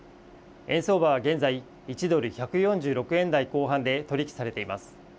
円相場は現在１ドル１４６円台後半で取り引きされています。